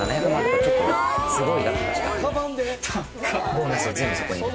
ボーナスを全部そこに。